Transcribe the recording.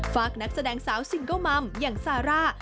ฝากนักแสดงสาวซิงเกิลมัมอย่างซาร่า